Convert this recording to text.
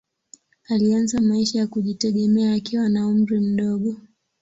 Alianza maisha ya kujitegemea akiwa na umri mdogo.